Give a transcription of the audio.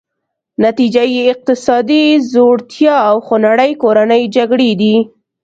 نتیجه یې اقتصادي ځوړتیا او خونړۍ کورنۍ جګړې دي.